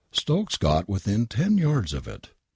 Stokes got within ten yards of it.